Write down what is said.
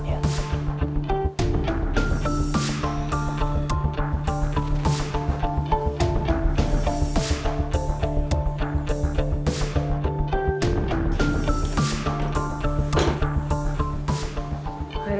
apa yang kau cari